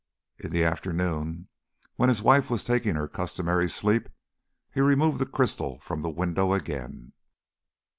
In the afternoon, when his wife was taking her customary sleep, he removed the crystal from the window again.